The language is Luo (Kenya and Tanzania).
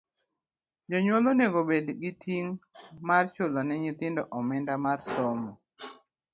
jonyuol onego bed gi ting' mar chulo ne nyithindo omenda mar somo.